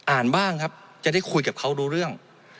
บ้างครับจะได้คุยกับเขารู้เรื่อง